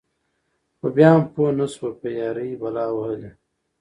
خو بيا هم پوهه نشوه په يــارۍ بلا وهــلې.